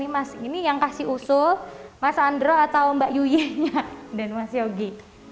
ini yang kasih usul mas andro atau mbak yuyi dan mas yogi